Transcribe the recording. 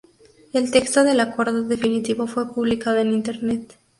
El texto del acuerdo definitivo fue publicado en Internet.